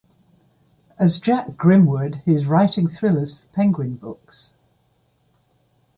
As Jack Grimwood, he is writing thrillers for Penguin Books.